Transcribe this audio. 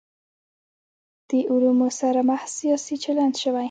له علومو سره محض سیاسي چلند شوی.